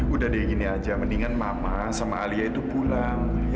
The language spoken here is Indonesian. udah deh gini aja mendingan mama sama alia itu pulang